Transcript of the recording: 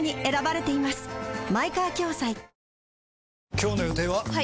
今日の予定は？